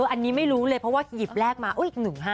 อันนี้ไม่รู้เลยเพราะว่าหยิบแรกมาอีก๑๕